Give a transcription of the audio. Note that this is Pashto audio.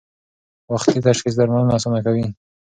وختي تشخیص درملنه اسانه کوي.